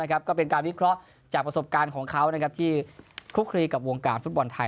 ก็เป็นการวิเคราะห์จากประสบการณ์ของเขาที่คลุกคลีกับวงการฟุตบอลไทย